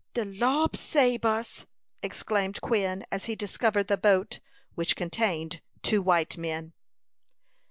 "De Lo'd sabe us!" exclaimed Quin, as he discovered the boat, which contained two white men.